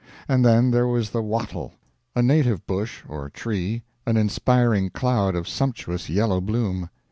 And then there was the wattle, a native bush or tree, an inspiring cloud of sumptuous yellow bloom.